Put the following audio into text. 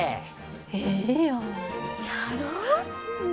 ええやん。